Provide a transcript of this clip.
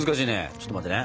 ちょっと待ってね。